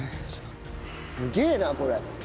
すげえなこれ。